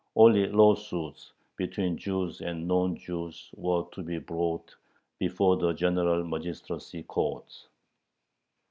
Only lawsuits between Jews and non Jews were to be brought before the general magistracy courts.